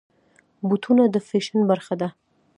بوټونه د فیشن برخه ده.